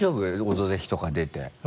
「オドぜひ」とか出て。